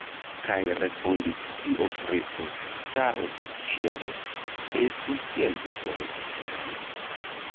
Kaj respondis Dio Kristo, caro de ĉielo: "Estu, kiel vi diris, Ivano!"